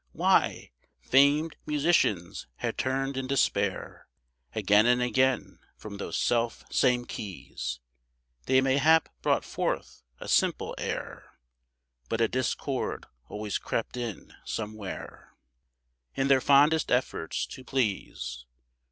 Why! famed musicians had turned in despair Again and again from those self same keys; They mayhap brought forth a simple air, But a discord always crept in somewhere, In their fondest efforts to please.